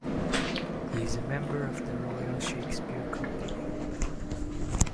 He is a member of the Royal Shakespeare Company.